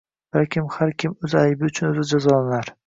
Balki har kim o'z aybi uchun o'zi jazolanar.